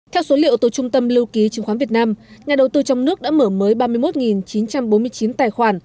theo số liệu từ trung tâm lưu ký chứng khoán việt nam nhà đầu tư trong nước đã mở mới ba mươi một chín trăm bốn mươi chín tài khoản